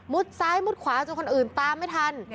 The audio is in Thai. ซ้ายมุดขวาจนคนอื่นตามไม่ทัน